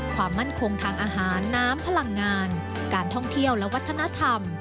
ความมั่นคงทางอาหารน้ำพลังงานการท่องเที่ยวและวัฒนธรรม